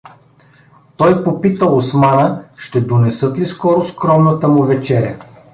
Той попита Османа ще донесат ли скоро скромната му вечеря.